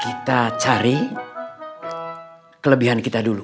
kita cari kelebihan kita dulu